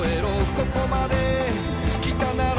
「ここまで来たなら」